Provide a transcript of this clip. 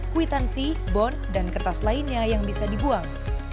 kwitansi bon dan kertas lainnya yang bisa dibuang